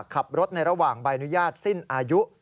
ขับรถในระหว่างใบอนุญาตสิ้นอายุ